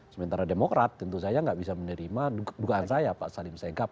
sementara demokrat tentu saja tidak bisa menerima dugaan saya pak salim segap